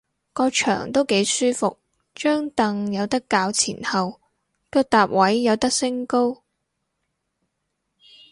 個場都幾舒服，張櫈有得較前後，腳踏位有得升高